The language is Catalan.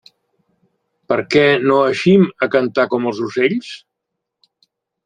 Per què no eixim a cantar com els ocells?